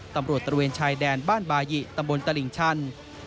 ตระเวนชายแดนบ้านบายิตำบลตลิ่งชัน